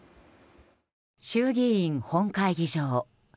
衆議院本会議場。